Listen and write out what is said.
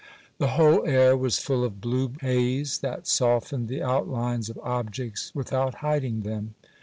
The whole air was full of blue haze, that softened the outlines of objects without hiding them.